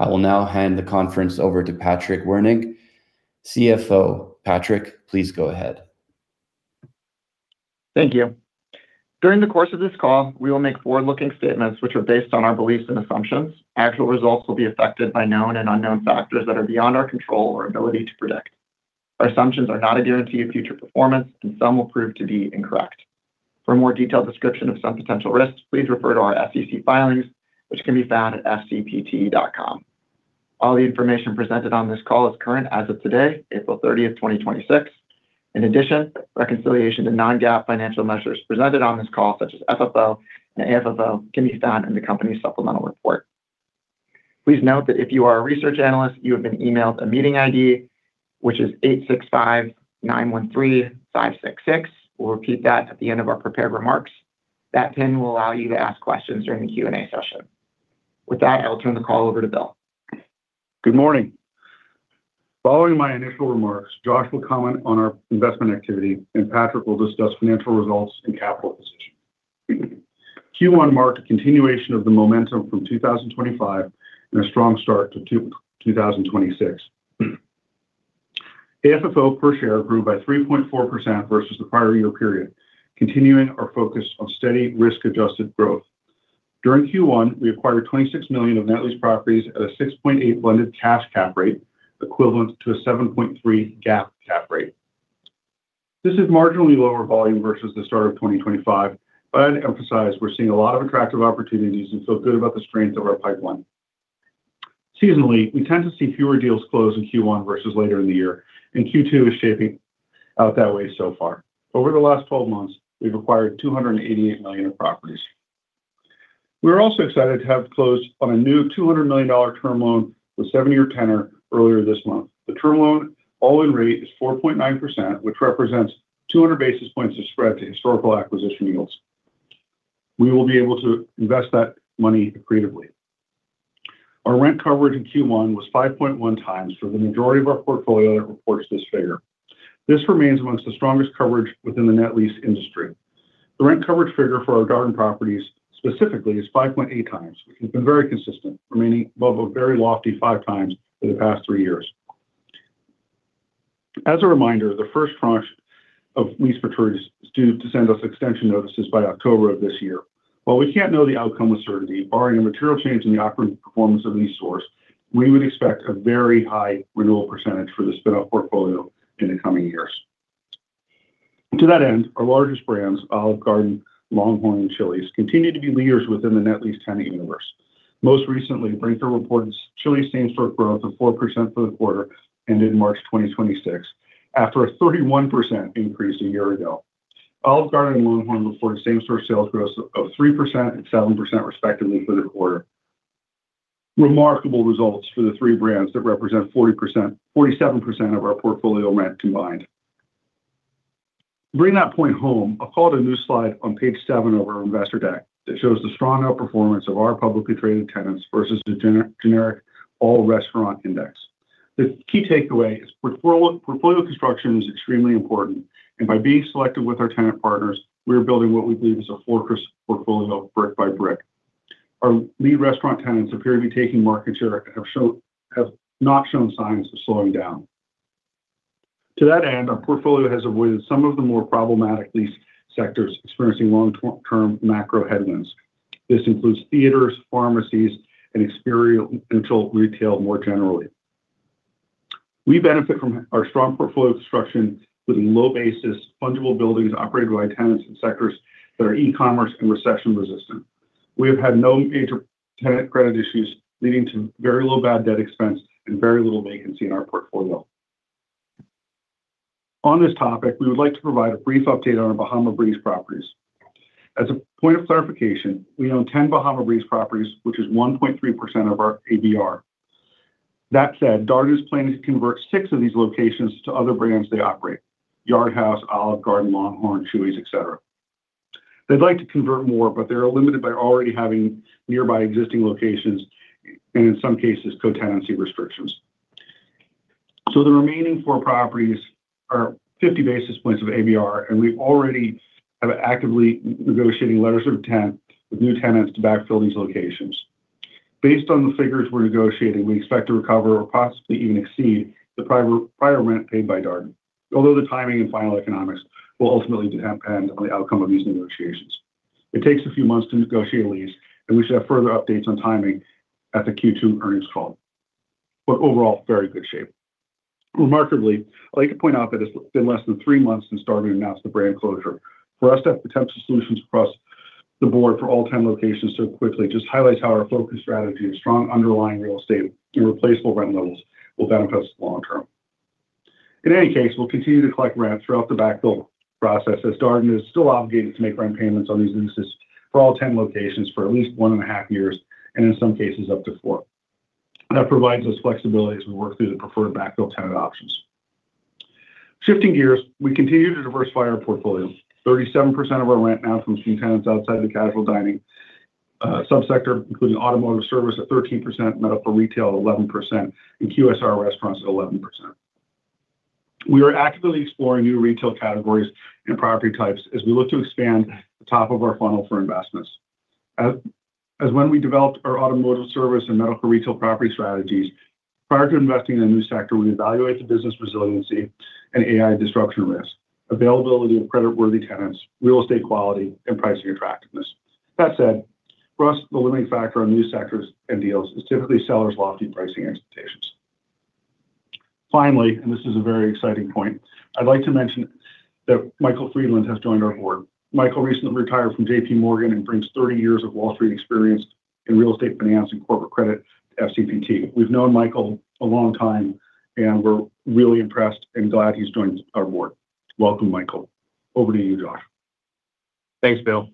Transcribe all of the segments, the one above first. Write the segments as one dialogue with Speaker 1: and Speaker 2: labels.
Speaker 1: I will now hand the conference over to Patrick Wernig, CFO. Patrick, please go ahead.
Speaker 2: Thank you. During the course of this call, we will make forward-looking statements which are based on our beliefs and assumptions. Actual results will be affected by known and unknown factors that are beyond our control or ability to predict. Our assumptions are not a guarantee of future performance, and some will prove to be incorrect. For a more detailed description of some potential risks, please refer to our SEC filings, which can be found at fcpt.com. All the information presented on this call is current as of today, April 30, 2026. In addition, reconciliation to non-GAAP financial measures presented on this call, such as FFO and AFFO can be found in the company's supplemental report. Please note if you are a research analyst you have been emailed a meeting ID which is 865913566. We'll repeat that at the end of our prepared remarks. That pin will allow you to ask questions during the Q&A session. With that, I will turn the call over to Bill.
Speaker 3: Good morning. Following my initial remarks, Josh will comment on our investment activity, and Patrick will discuss financial results and capital position. Q1 marked a continuation of the momentum from 2025 and a strong start to 2026. AFFO per share grew by 3.4% versus the prior year period, continuing our focus on steady risk-adjusted growth. During Q1, we acquired $26 million of net lease properties at a 6.8% blended cash cap rate, equivalent to a 7.3% GAAP cap rate. This is marginally lower volume versus the start of 2025. I'd emphasize we're seeing a lot of attractive opportunities and feel good about the strength of our pipeline. Seasonally, we tend to see fewer deals close in Q1 versus later in the year. Q2 is shaping out that way so far. Over the last 12 months, we've acquired $288 million of properties. We're also excited to have closed on a new $200 million term loan with seven-year tenor earlier this month. The term loan all-in rate is 4.9%, which represents 200 basis points of spread to historical acquisition yields. We will be able to invest that money creatively. Our rent coverage in Q1 was 5.1x for the majority of our portfolio that reports this figure. This remains amongst the strongest coverage within the net lease industry. The rent coverage figure for our Garden properties specifically is 5.8x, which has been very consistent, remaining above a very lofty 5x for the past three years. As a reminder, the first tranche of lease maturities is due to send us extension notices by October of this year. While we can't know the outcome with certainty, barring a material change in the operating performance of lease source, we would expect a very high renewal percentage for the spin-off portfolio in the coming years. To that end, our largest brands, Olive Garden, LongHorn, and Chili's, continue to be leaders within the net lease tenant universe. Most recently, Brinker reported Chili's same-store growth of 4% for the quarter ended March 2026, after a 31% increase a year ago. Olive Garden and LongHorn reported same-store sales growth of 3% and 7% respectively for the quarter. Remarkable results for the three brands that represent 47% of our portfolio rent combined. To bring that point home, I'll call to a new slide on page seven of our investor deck that shows the strong outperformance of our publicly traded tenants versus the generic all restaurant index. The key takeaway is portfolio construction is extremely important. By being selective with our tenant partners, we are building what we believe is a fortress portfolio brick by brick. Our lead restaurant tenants appear to be taking market share and have not shown signs of slowing down. To that end, our portfolio has avoided some of the more problematic lease sectors experiencing long-term macro headwinds. This includes theaters, pharmacies, and experiential retail more generally. We benefit from our strong portfolio construction with low basis, fundable buildings operated by tenants and sectors that are e-commerce and recession-resistant. We have had no major tenant credit issues, leading to very low bad debt expense and very little vacancy in our portfolio. On this topic, we would like to provide a brief update on our Bahama Breeze properties. As a point of clarification, we own 10 Bahama Breeze properties, which is 1.3% of our ABR. That said, Darden's planning to convert six of these locations to other brands they operate: Yard House, Olive Garden, LongHorn, Chili's, et cetera. They'd like to convert more, but they are limited by already having nearby existing locations and in some cases, co-tenancy restrictions. The remaining four properties are 50 basis points of ABR, and we already have actively negotiating letters of intent with new tenants to backfill these locations. Based on the figures we're negotiating, we expect to recover or possibly even exceed the prior rent paid by Darden. Although the timing and final economics will ultimately depend on the outcome of these negotiations. It takes a few months to negotiate a lease, and we should have further updates on timing at the Q2 earnings call. Overall, very good shape. Remarkably, I'd like to point out that it's been less than three months since Darden announced the brand closure. For us to have potential solutions across the board for all 10 locations so quickly just highlights how our focused strategy of strong underlying real estate and irreplaceable rent levels will benefit us long-term. In any case, we'll continue to collect rent throughout the backfill process, as Darden is still obligated to make rent payments on these leases for all 10 locations for at least one and a half years, and in some cases, up to four. That provides us flexibility as we work through the preferred backfill tenant options. Shifting gears, we continue to diversify our portfolio. 37% of our rent now comes from tenants outside the casual dining subsector, including automotive service at 13%, medical retail at 11%, and QSR restaurants at 11%. We are actively exploring new retail categories and property types as we look to expand the top of our funnel for investments. As when we developed our automotive service and medical retail property strategies, prior to investing in a new sector, we evaluate the business resiliency and AI disruption risk, availability of credit-worthy tenants, real estate quality, and pricing attractiveness. That said, for us, the limiting factor on new sectors and deals is typically sellers' lofty pricing expectations. Finally, this is a very exciting point, I'd like to mention that Michael Friedland has joined our board. Michael recently retired from JPMorgan and brings 30 years of Wall Street experience in real estate finance and corporate credit to FCPT. We've known Michael a long time, and we're really impressed and glad he's joined our board. Welcome, Michael. Over to you, Josh.
Speaker 4: Thanks, Bill.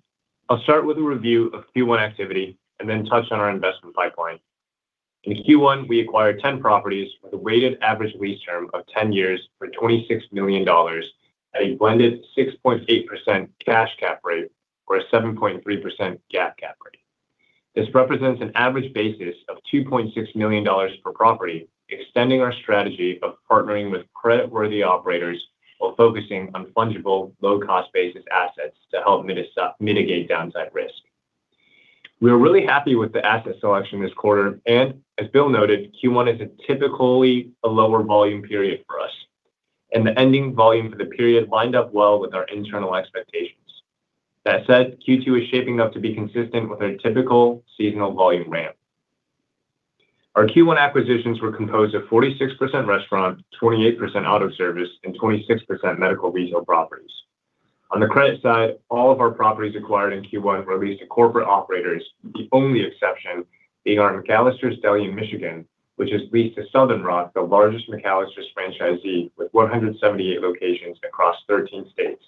Speaker 4: I'll start with a review of Q1 activity and then touch on our investment pipeline. In Q1, we acquired 10 properties with a weighted average lease term of 10 years for $26 million at a blended 6.8% cash cap rate or a 7.3% GAAP cap rate. This represents an average basis of $2.6 million per property, extending our strategy of partnering with credit-worthy operators while focusing on fungible, low-cost basis assets to help mitigate downside risk. We are really happy with the asset selection this quarter. As Bill noted, Q1 is typically a lower volume period for us, and the ending volume for the period lined up well with our internal expectations. That said, Q2 is shaping up to be consistent with a typical seasonal volume ramp. Our Q1 acquisitions were composed of 46% restaurant, 28% auto service, and 26% medical retail properties. On the credit side, all of our properties acquired in Q1 were leased to corporate operators. The only exception being our McAlister's Deli in Michigan, which is leased to Southern Rock, the largest McAlister's franchisee with 178 locations across 13 states.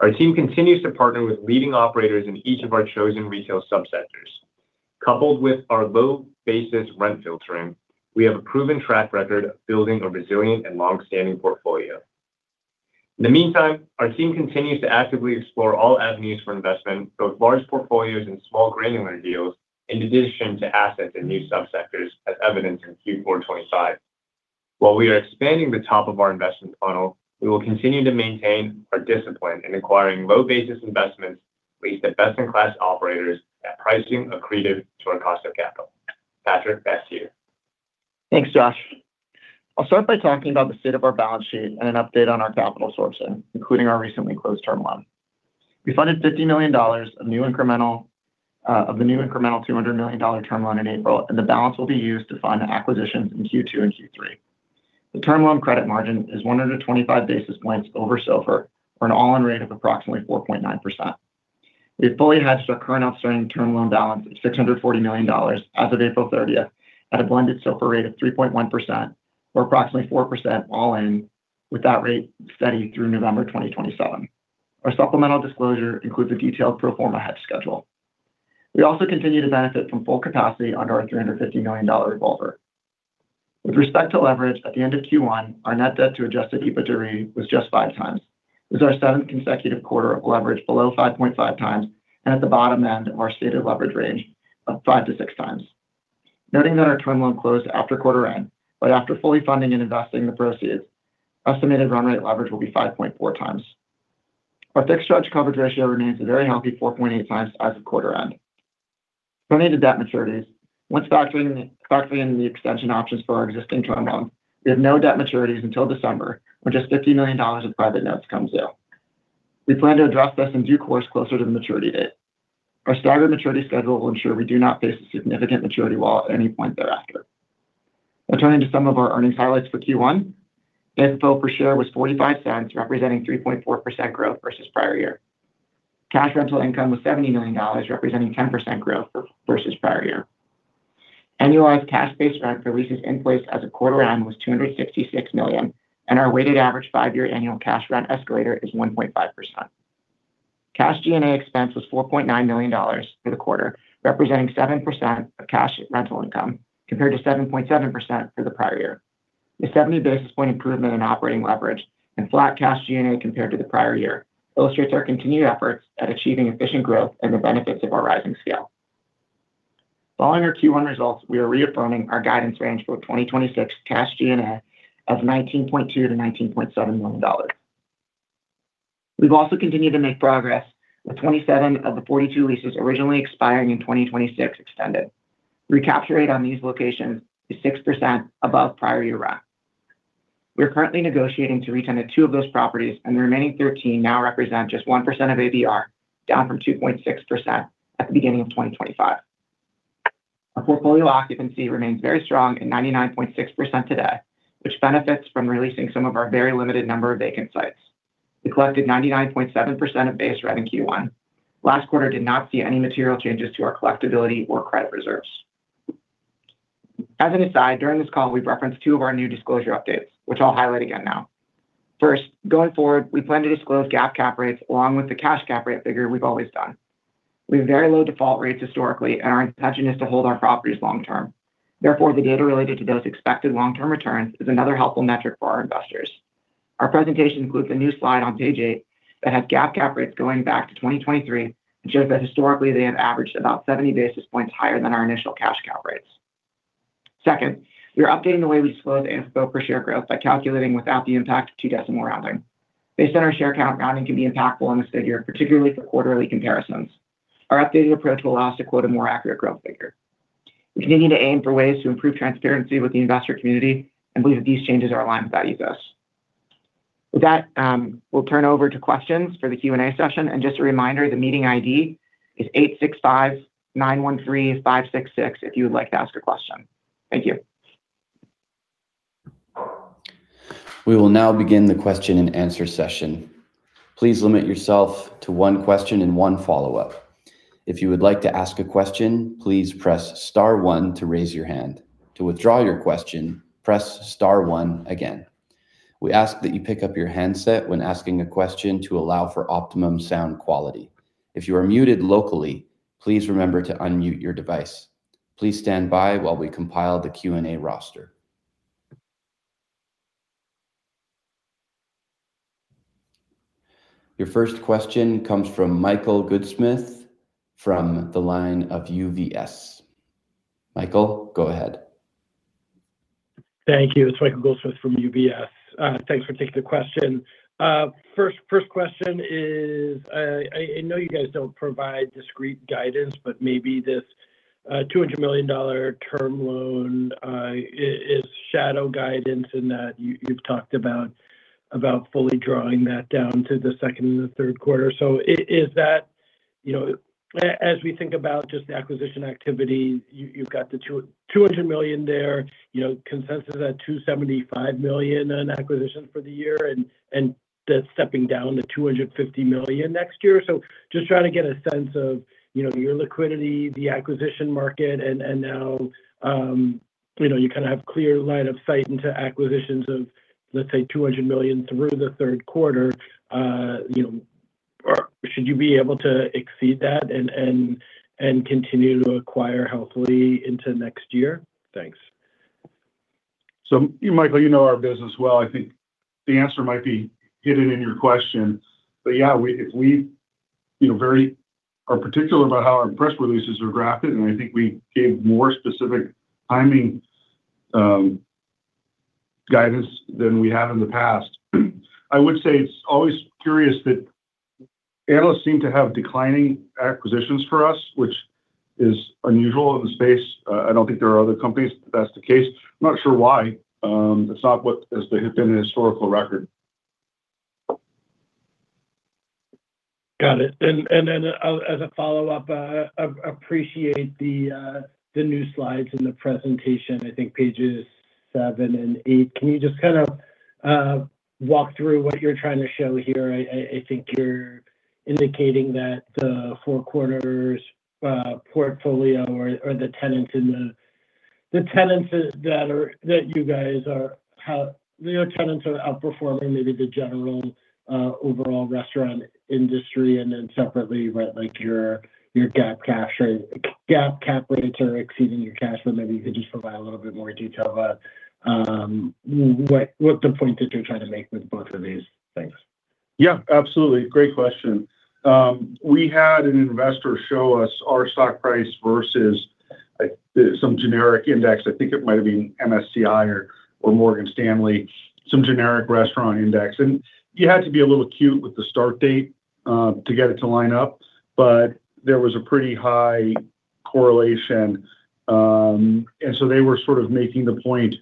Speaker 4: Our team continues to partner with leading operators in each of our chosen retail subsectors. Coupled with our low basis rent filtering, we have a proven track record of building a resilient and long-standing portfolio. In the meantime, our team continues to actively explore all avenues for investment, both large portfolios and small granular deals, in addition to assets in new subsectors, as evidenced in Q4 2025. While we are expanding the top of our investment funnel, we will continue to maintain our discipline in acquiring low basis investments leased to best-in-class operators at pricing accretive to our cost of capital. Patrick, back to you.
Speaker 2: Thanks, Josh. I'll start by talking about the state of our balance sheet and an update on our capital sourcing, including our recently closed term loan. We funded $50 million of new incremental of the new incremental $200 million term loan in April, and the balance will be used to fund acquisitions in Q2 and Q3. The term loan credit margin is 125 basis points over SOFR for an all-in rate of approximately 4.9%. We have fully hedged our current outstanding term loan balance of $640 million as of April 30th at a blended SOFR rate of 3.1% or approximately 4% all in with that rate steady through November 2027. Our supplemental disclosure includes a detailed pro forma hedge schedule. We also continue to benefit from full capacity under our $350 million revolver. With respect to leverage at the end of Q1, our net debt to adjusted EBITDA was just 5x. It was our seventh consecutive quarter of leverage below 5.5x and at the bottom end of our stated leverage range of 5x-6x. Noting that our term loan closed after quarter end, after fully funding and investing the proceeds, estimated run rate leverage will be 5.4x. Our fixed charge coverage ratio remains a very healthy 4.8x as of quarter end. Turning to debt maturities. Once factoring in the extension options for our existing term loan, we have no debt maturities until December, when just $50 million of private notes come due. We plan to address this in due course closer to the maturity date. Our staggered maturity schedule will ensure we do not face a significant maturity wall at any point thereafter. Turning to some of our earnings highlights for Q1. AFFO per share was $0.45, representing 3.4% growth versus prior year. Cash rental income was $70 million, representing 10% growth versus prior year. Annualized cash-based rent for leases in place as of quarter end was $266 million, and our weighted average five-year annual cash rent escalator is 1.5%. Cash G&A expense was $4.9 million for the quarter, representing 7% of cash rental income, compared to 7.7% for the prior year. The 70 basis point improvement in operating leverage and flat cash G&A compared to the prior year illustrates our continued efforts at achieving efficient growth and the benefits of our rising scale. Following our Q1 results, we are reaffirming our guidance range for 2026 cash G&A of $19.2 million-$19.7 million. We've also continued to make progress with 27 of the 42 leases originally expiring in 2026 extended. Recapture rate on these locations is 6% above prior year rent. We are currently negotiating to re-tenant two of those properties, and the remaining 13 now represent just 1% of ABR, down from 2.6% at the beginning of 2025. Our portfolio occupancy remains very strong at 99.6% today, which benefits from re-leasing some of our very limited number of vacant sites. We collected 99.7% of base rent in Q1. Last quarter did not see any material changes to our collectibility or credit reserves. As an aside, during this call, we've referenced two of our new disclosure updates, which I'll highlight again now. First, going forward, we plan to disclose GAAP cap rates along with the cash cap rate figure we've always done. We have very low default rates historically, and our intention is to hold our properties long-term. Therefore, the data related to those expected long-term returns is another helpful metric for our investors. Our presentation includes a new slide on page eight that has GAAP cap rates going back to 2023, which shows that historically they have averaged about 70 basis points higher than our initial cash cap rates. Second, we are updating the way we show the AFFO per share growth by calculating without the impact of two decimal rounding. Based on our share count, rounding can be impactful on this figure, particularly for quarterly comparisons. Our updated approach will allow us to quote a more accurate growth figure. We continue to aim for ways to improve transparency with the investor community and believe that these changes are aligned with value thus. With that, we'll turn over to questions for the Q&A session. And just as a reminder, the meeting ID is 865913566 if you would like to ask a question. Thank you.
Speaker 1: We will now begin the question-and-answer session. Please limit yourself to one question and one follow-up. If you would like to ask a question, please press star one to raise your hand. To withdraw your question, press star one again. We ask that you pick up your handset when asking a question to allow for optimum sound quality. If you are muted locally, please remember to unmute your device. Please stand by while we compile the Q&A roster. Your first question comes from Michael Goldsmith from the line of UBS. Michael, go ahead.
Speaker 5: Thank you. It's Michael Goldsmith from UBS. Thanks for taking the question. First question is, I know you guys don't provide discrete guidance, but maybe this $200 million term loan is shadow guidance in that you've talked about fully drawing that down to the second and the third quarter. Is that, you know, as we think about just acquisition activity, you've got the $200 million there, you know, consensus at $275 million in acquisitions for the year, and that's stepping down to $250 million next year. Just trying to get a sense of, you know, your liquidity, the acquisition market, and now, you know, you kind of have clear line of sight into acquisitions of, let's say, $200 million through the third quarter. You know, should you be able to exceed that and continue to acquire healthily into next year? Thanks.
Speaker 3: Michael, you know our business well. I think the answer might be hidden in your question. Yeah, if we, you know, very are particular about how our press releases are drafted, and I think we gave more specific timing guidance than we have in the past. I would say it's always curious that analysts seem to have declining acquisitions for us, which is unusual in the space. I don't think there are other companies that that's the case. I'm not sure why. That's not what has been the historical record.
Speaker 5: Got it. As a follow-up, appreciate the new slides in the presentation. I think pages seven and eight. Can you just kind of walk through what you're trying to show here? I think you're indicating that the Four Corners portfolio, how your tenants are outperforming maybe the general overall restaurant industry. Separately, right, like your cash cap rate or GAAP cap rates are exceeding your cash flow. Maybe you could just provide a little bit more detail about what the point that you're trying to make with both of these things.
Speaker 3: Yeah, absolutely. Great question. We had an investor show us our stock price versus, like, some generic index. I think it might have been MSCI or Morgan Stanley, some generic restaurant index. You had to be a little cute with the start date to get it to line up. There was a pretty high correlation. They were sort of making the point,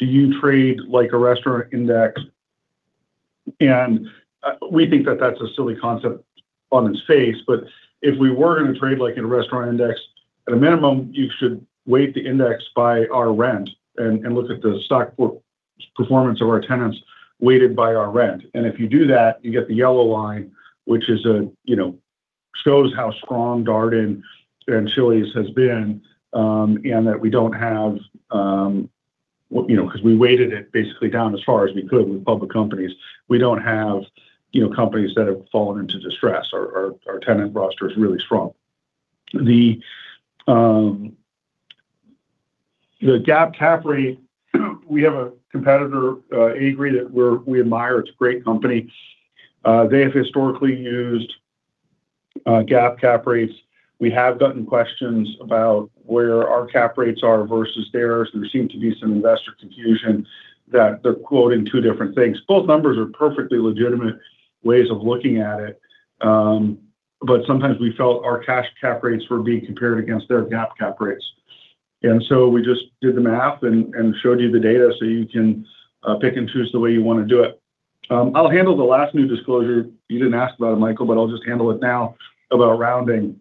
Speaker 3: do you trade like a restaurant index? We think that that's a silly concept on its face. If we were going to trade like in a restaurant index, at a minimum, you should weight the index by our rent and look at the stock, well, performance of our tenants weighted by our rent. If you do that, you get the yellow line, which is, you know, shows how strong Darden and Chili's has been. That we don't have, well, you know, because we weighted it basically down as far as we could with public companies. We don't have, you know, companies that have fallen into distress. Our tenant roster is really strong. The GAAP cap rate, we have a competitor, Agree, that we admire. It's a great company. They have historically used GAAP cap rates. We have gotten questions about where our cap rates are versus theirs. There seem to be some investor confusion that they're quoting two different things. Both numbers are perfectly legitimate ways of looking at it. Sometimes we felt our cash cap rates were being compared against their GAAP cap rates. We just did the math and showed you the data so you can pick and choose the way you wanna do it. I'll handle the last new disclosure. You didn't ask about it, Michael, but I'll just handle it now, about rounding.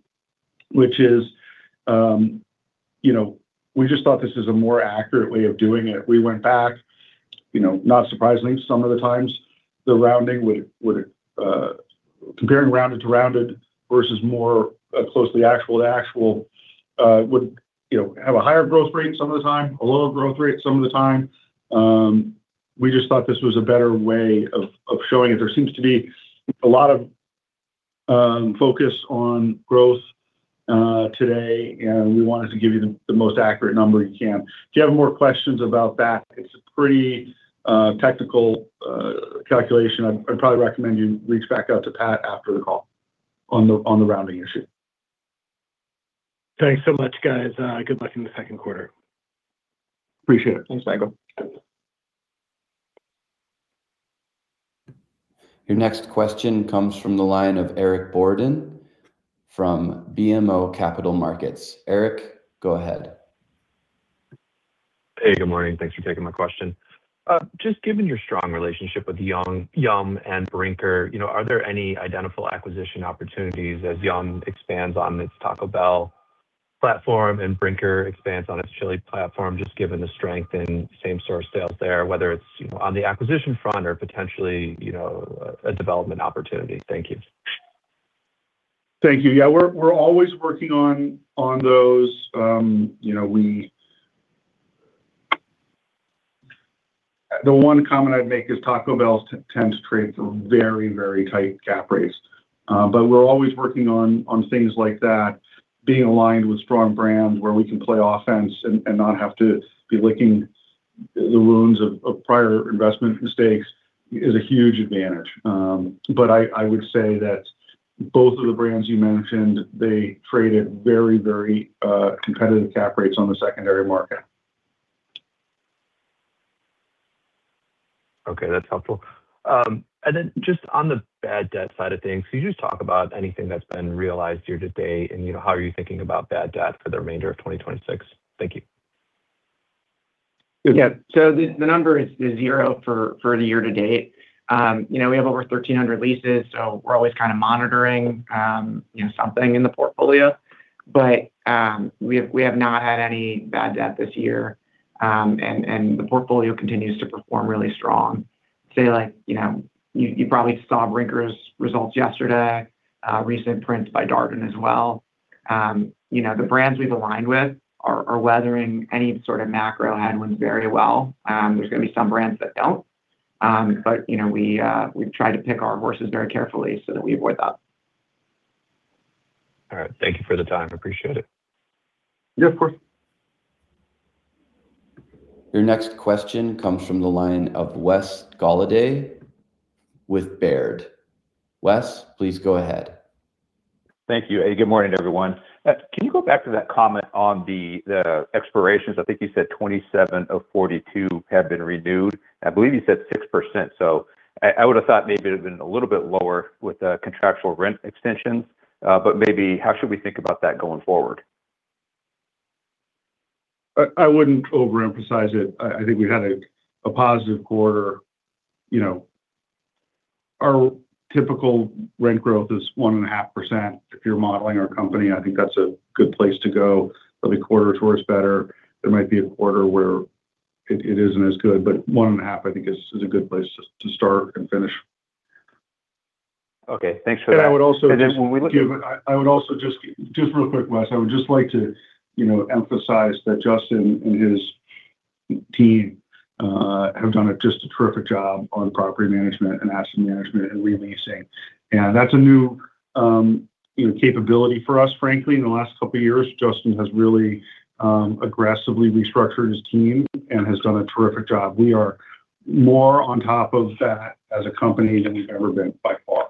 Speaker 3: Which is, you know, we just thought this is a more accurate way of doing it. We went back, you know, not surprisingly, some of the times the rounding would comparing rounded to rounded versus more closely actual to actual would, you know, have a higher growth rate some of the time, a lower growth rate some of the time. We just thought this was a better way of showing it. There seems to be a lot of focus on growth today, and we wanted to give you the most accurate number we can. If you have more questions about that, it's a pretty technical calculation. I'd probably recommend you reach back out to Pat after the call on the rounding issue.
Speaker 5: Thanks so much, guys. Good luck in the second quarter.
Speaker 3: Appreciate it.
Speaker 2: Thanks, Michael.
Speaker 1: Your next question comes from the line of Eric Borden from BMO Capital Markets. Eric, go ahead.
Speaker 6: Hey, good morning. Thanks for taking my question. Just given your strong relationship with Yum! and Brinker, you know, are there any identical acquisition opportunities as Yum! expands on its Taco Bell platform and Brinker expands on its Chili's platform, just given the strength in same-store sales there, whether it's, you know, on the acquisition front or potentially, you know, a development opportunity? Thank you.
Speaker 3: Thank you. We're, we're always working on those. You know, we, the one comment I'd make is Taco Bell tends to trade some very, very tight cap rates. We're always working on things like that. Being aligned with strong brands where we can play offense and not have to be licking the wounds of prior investment mistakes is a huge advantage. I would say that both of the brands you mentioned, they traded very, very, competitive cap rates on the secondary market.
Speaker 6: Okay, that's helpful. Then just on the bad debt side of things, can you just talk about anything that's been realized year to date and, you know, how are you thinking about bad debt for the remainder of 2026? Thank you.
Speaker 2: Yeah. The number is zero for the year to date. You know, we have over 1,300 leases, we're always kind of monitoring, you know, something in the portfolio. We have not had any bad debt this year. The portfolio continues to perform really strong. Say like, you know, you probably saw Brinker's results yesterday, recent prints by Darden as well. You know, the brands we've aligned with are weathering any sort of macro headwinds very well. There's gonna be some brands that don't. You know, we try to pick our horses very carefully so that we avoid that.
Speaker 6: All right. Thank you for the time. Appreciate it.
Speaker 3: Yeah, of course.
Speaker 1: Your next question comes from the line of Wes Golladay with Baird. Wes, please go ahead.
Speaker 7: Thank you. Hey, good morning, everyone. Can you go back to that comment on the expirations? I think you said 27 of 42 have been renewed. I believe you said 6%, so I would've thought maybe it'd been a little bit lower with the contractual rent extensions. Maybe how should we think about that going forward?
Speaker 3: I wouldn't overemphasize it. I think we've had a positive quarter. You know, our typical rent growth is 1.5%. If you're modeling our company, I think that's a good place to go. There'll be quarters where it's better. There might be a quarter where it isn't as good. 1.5%, I think is a good place to start and finish.
Speaker 7: Okay. Thanks for that.
Speaker 3: And I would also just-
Speaker 7: When we look at.
Speaker 3: I would also just real quick, Wes, I would just like to, you know, emphasize that Justin and his team have done a just a terrific job on property management and asset management and re-leasing. That's a new, you know, capability for us, frankly. In the last couple years, Justin has really aggressively restructured his team and has done a terrific job. We are more on top of that as a company than we've ever been by far.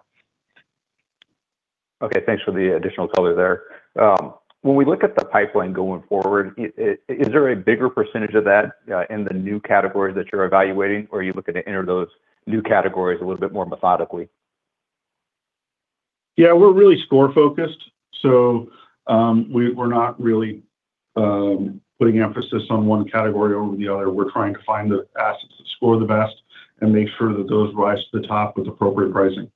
Speaker 7: Okay. Thanks for the additional color there. When we look at the pipeline going forward, is there a bigger percentage of that in the new categories that you're evaluating, or are you looking to enter those new categories a little bit more methodically?
Speaker 3: Yeah, we're really score-focused. We're not really putting emphasis on one category over the other. We're trying to find the assets that score the best and make sure that those rise to the top with appropriate pricing.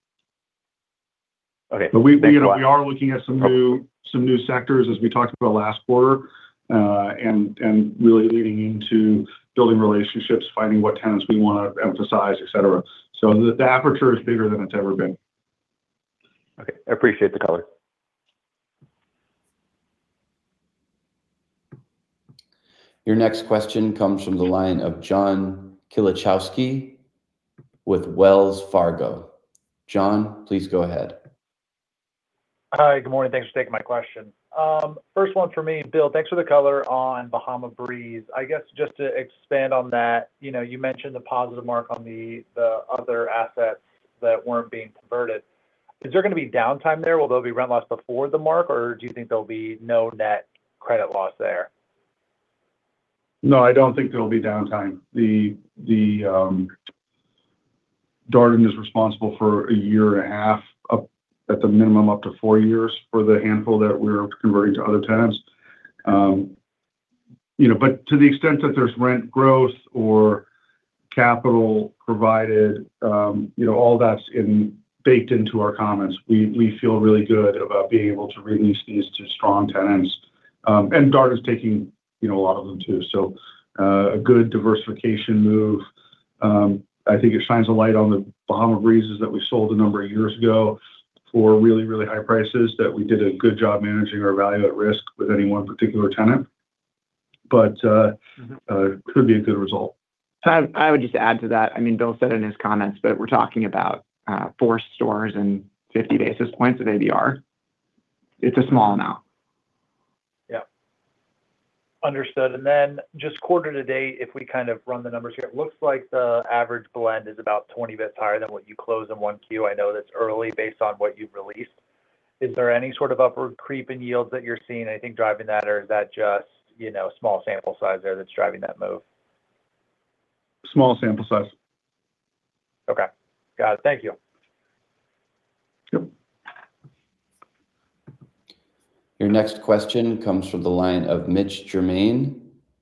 Speaker 7: Okay. Thanks a lot.
Speaker 3: We, you know, we are looking at some new, some new sectors as we talked about last quarter, and really leaning into building relationships, finding what tenants we wanna emphasize, et cetera. The, the aperture is bigger than it's ever been.
Speaker 7: Okay. I appreciate the color.
Speaker 1: Your next question comes from the line of John Kilichowski with Wells Fargo. John, please go ahead.
Speaker 8: Hi, good morning. Thanks for taking my question. First one for me, Bill, thanks for the color on Bahama Breeze. I guess just to expand on that, you know, you mentioned the positive mark on the other assets that weren't being converted. Is there gonna be downtime there? Will there be rent loss before the mark, or do you think there'll be no net credit loss there?
Speaker 3: No, I don't think there'll be downtime. The Darden is responsible for a year and a half, up, at the minimum, up to four years for the handful that we're converting to other tenants. You know, to the extent that there's rent growth or capital provided, you know, all that's baked into our comments. We feel really good about being able to re-lease these to strong tenants. Darden's taking, you know, a lot of them too, so, a good diversification move. I think it shines a light on the Bahama Breezes that we sold a number of years ago for really, really high prices, that we did a good job managing our value at risk with any one particular tenant. Could be a good result.
Speaker 2: I would just add to that. I mean, Bill said in his comments that we're talking about four stores and 50 basis points of ABR. It's a small amount.
Speaker 3: Yeah.
Speaker 8: Understood. Just quarter to date, if we kind of run the numbers here, it looks like the average blend is about 20 basis points higher than what you closed in 1Q. I know that's early based on what you've released. Is there any sort of upward creep in yields that you're seeing, I think, driving that? Or is that just, you know, small sample size there that's driving that move?
Speaker 3: Small sample size.
Speaker 8: Okay. Got it. Thank you.
Speaker 3: Yep.
Speaker 1: Your next question comes from the line of Mitch Germain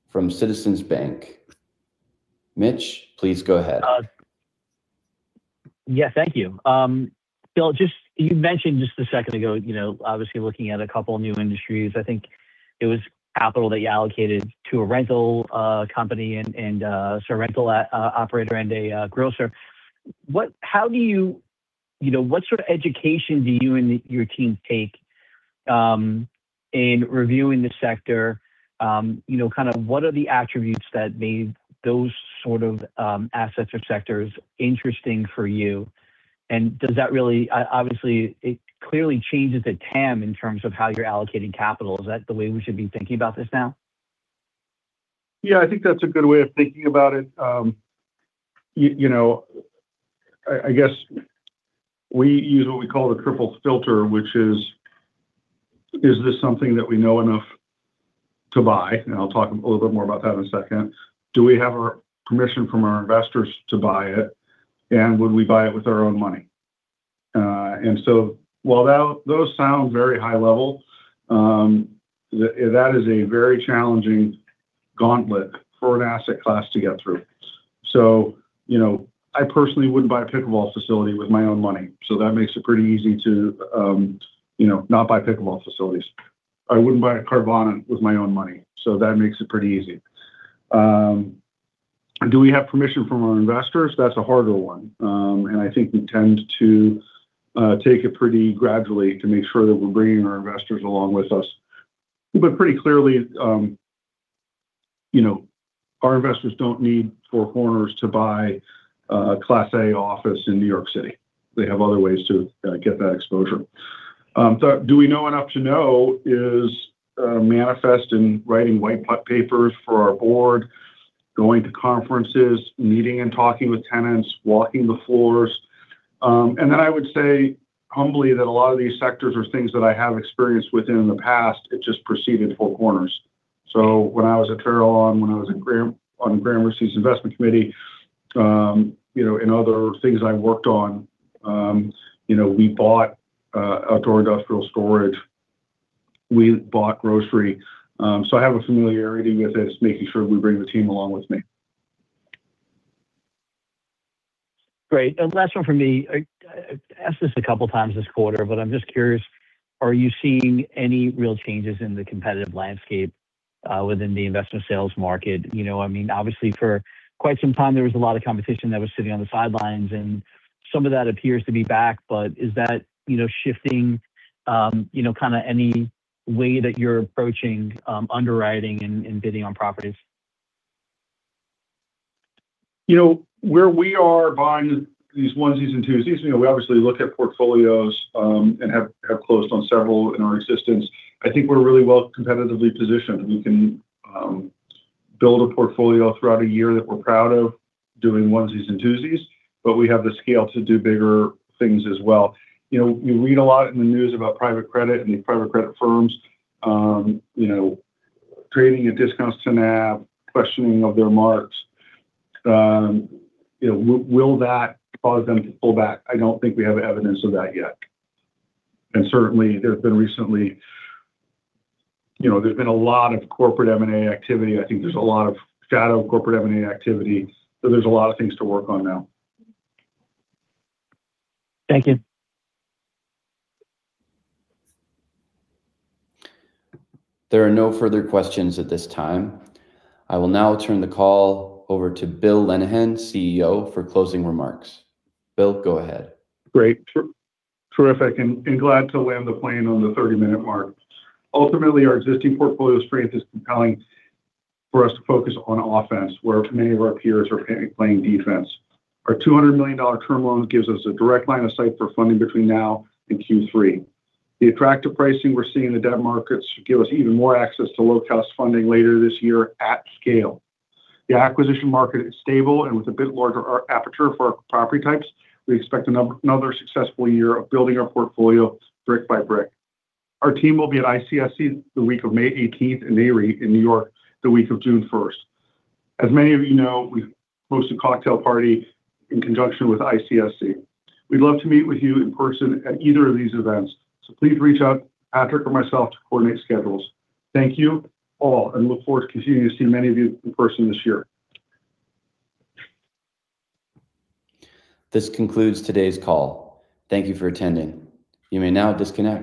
Speaker 1: from Citizens Bank. Mitch, please go ahead.
Speaker 9: Yeah, thank you. Bill, you mentioned just a second ago, you know, obviously looking at a couple new industries. I think it was capital that you allocated to a rental company and, so a rental operator and a grocer. How do you know, what sort of education do you and your team take in reviewing the sector? You know, kind of what are the attributes that made those sort of assets or sectors interesting for you? Does that really, obviously it clearly changes the TAM in terms of how you're allocating capital. Is that the way we should be thinking about this now?
Speaker 3: Yeah, I think that's a good way of thinking about it. You know, I guess we use what we call the triple filter, which is this something that we know enough to buy? I'll talk a little bit more about that in a second. Do we have our permission from our investors to buy it? Would we buy it with our own money? While those sound very high level, that is a very challenging gauntlet for an asset class to get through. You know, I personally wouldn't buy a pickleball facility with my own money, so that makes it pretty easy to, you know, not buy pickleball facilities. I wouldn't buy a Carvana with my own money, so that makes it pretty easy. Do we have permission from our investors? That's a harder one. I think we tend to take it pretty gradually to make sure that we're bringing our investors along with us. Pretty clearly, you know, our investors don't need Four Corners to buy a Class A office in New York City. They have other ways to get that exposure. Do we know enough to know is manifest in writing white papers for our board, going to conferences, meeting and talking with tenants, walking the floors. Then I would say humbly that a lot of these sectors are things that I have experience with in the past, it just preceded Four Corners. When I was at [Trailion], when I was on Gramercy’s investment committee, you know, and other things I worked on, you know, we bought outdoor industrial storage. We bought grocery. I have a familiarity with it. It's making sure we bring the team along with me.
Speaker 9: Great. Last one from me. I asked this a couple times this quarter, but I'm just curious, are you seeing any real changes in the competitive landscape within the investment sales market? You know, I mean, obviously, for quite some time, there was a lot of competition that was sitting on the sidelines, and some of that appears to be back. Is that, you know, shifting, you know, kinda any way that you're approaching underwriting and bidding on properties?
Speaker 3: You know, where we are buying these onesies and twosies, you know, we obviously look at portfolios, and have closed on several in our existence. I think we're really well competitively positioned. We can build a portfolio throughout a year that we're proud of doing onesies and twosies, but we have the scale to do bigger things as well. You know, you read a lot in the news about private credit and the private credit firms, you know, trading at discounts to NAV, questioning of their marks. You know, will that cause them to pull back? I don't think we have evidence of that yet. Certainly, there's been recently, you know, there's been a lot of corporate M&A activity. I think there's a lot of shadow of corporate M&A activity. There's a lot of things to work on now.
Speaker 9: Thank you.
Speaker 1: There are no further questions at this time. I will now turn the call over to Bill Lenehan, CEO, for closing remarks. Bill, go ahead.
Speaker 3: Great. Terrific, glad to land the plane on the 30-minute mark. Ultimately, our existing portfolio strength is compelling for us to focus on offense, where many of our peers are playing defense. Our $200 million term loan gives us a direct line of sight for funding between now and Q3. Attractive pricing we're seeing in the debt markets should give us even more access to low-cost funding later this year at scale. The acquisition market is stable. With a bit larger aperture for our property types, we expect another successful year of building our portfolio brick by brick. Our team will be at ICSC the week of May 18th and Nareit in New York the week of June 1st. As many of you know, we host a cocktail party in conjunction with ICSC. We'd love to meet with you in person at either of these events. Please reach out Patrick or myself to coordinate schedules. Thank you all. Look forward to continuing to see many of you in person this year.
Speaker 1: This concludes today's call. Thank you for attending. You may now disconnect.